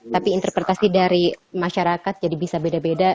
tapi interpretasi dari masyarakat jadi bisa beda beda